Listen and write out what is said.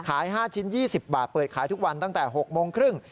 ขาย๕ชิ้น๒๐บาทเปิดขายทุกวันตั้งแต่๖โมงครึ่ง